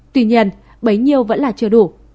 tuy nhiên bấy nhiêu vẫn là chưa đủ